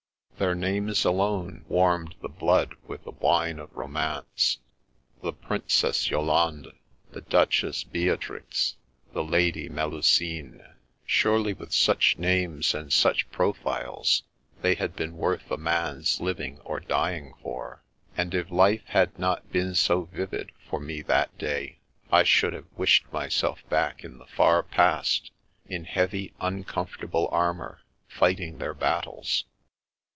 Their names alone warmed the blood with the wine of romance : the Princess Yolande ; the Duchess Beatrix ; the Lady Melusine. Surely, with such names and such pro files, they had been worth a man's living or d3ring for ; and if life had not been so vivid for me that day, I There is No Such Girl 271 should have wished myself back in the far past, in heavy, uncomfortable armour, fighting their battles.